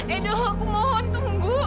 edo aku mohon tunggu